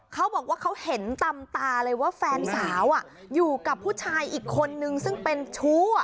เขาบอกว่าเขาเห็นตามตาเลยว่าแฟนสาวอยู่กับผู้ชายอีกคนนึงซึ่งเป็นชู้